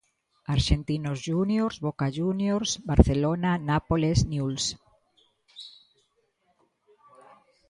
Arxentinos Júniors, Boca Júniors, Barcelona, Nápoles, Niuls.